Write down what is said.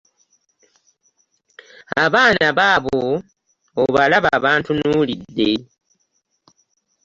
Abaana baabo obalaba bantunuulidde.